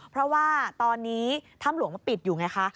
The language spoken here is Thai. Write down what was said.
เพราะว่าตอนนี้ถ้ำหลวงมันปิดอยู่ไงคะ